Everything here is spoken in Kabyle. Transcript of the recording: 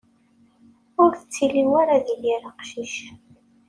Ur ttili ara d yir aqcic.